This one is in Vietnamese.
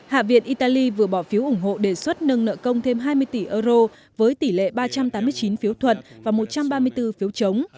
hạ viện italy vừa bỏ phiếu ủng hộ đề xuất nâng nợ công thêm hai mươi tỷ euro với tỷ lệ ba trăm tám mươi chín phiếu thuận và một trăm ba mươi bốn phiếu chống